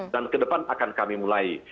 dan kedepan akan kami mulai